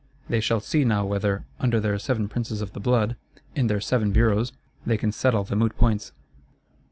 They shall see now whether, under their Seven Princes of the Blood, in their Seven Bureaus, they can settle the moot points.